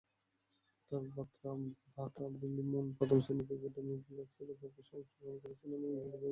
তার ভ্রাতা Billy Moon প্রথম-শ্রেণীর ক্রিকেটে মিডলসেক্সের পক্ষে অংশগ্রহণ করেছেন ও ইংল্যান্ডের ফুটবলার ছিলেন।